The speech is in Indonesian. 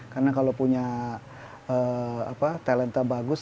karena kalau punya talenta bagus